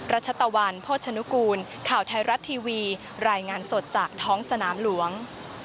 ชตะวันโภชนุกูลข่าวไทยรัฐทีวีรายงานสดจากท้องสนามหลวง